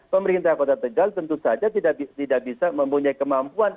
pemerintah kota tegal tentu saja tidak bisa mempunyai kemampuan